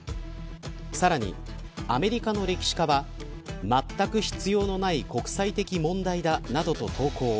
さらにアメリカの歴史家はまったく必要のない国際的問題だと投稿。